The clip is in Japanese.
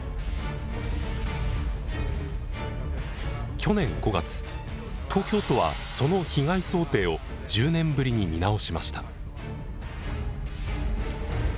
去年５月東京都はその被害想定を１０年ぶりに見直しました。